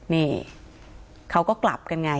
นี่เขาก็กลับกันไง